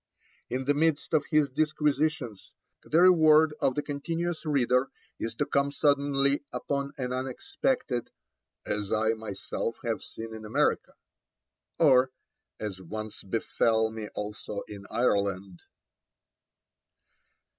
In the midst of his disquisitions, the reward of the continuous reader is to come suddenly upon an unexpected 'as I myself have seen in America,' or 'as once befell me also in Ireland.'